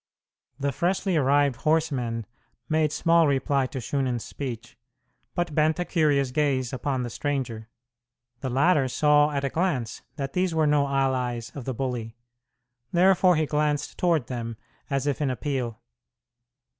The freshly arrived horsemen made small reply to Shunan's speech, but bent a curious gaze upon the stranger. The latter saw at a glance that these were no allies of the bully. Therefore he glanced toward them as if in appeal.